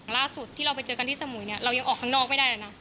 ล่าสุดที่เราไปเจอกันที่สมุยเนี่ยเรายังออกข้างนอกไม่ได้เลยนะ